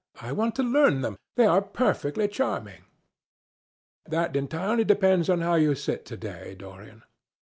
"I want to learn them. They are perfectly charming." "That entirely depends on how you sit to day, Dorian."